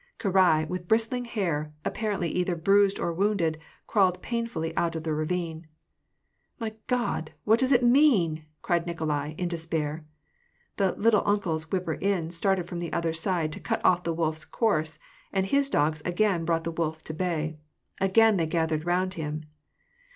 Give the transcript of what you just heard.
Karai, with bristling hair, apparently either bruised or wounded, crawled painfully out of the ravine. " My God ! what does it mean ?" cried Nikolai, in despair. The " little uncle's " whipper in started from the other side to cut off the wolf's course, and his dogs again brought the wolf to bay. Again they gathered round him.